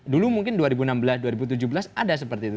dulu mungkin dua ribu enam belas dua ribu tujuh belas ada seperti itu